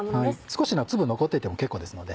少しの粒残っていても結構ですので。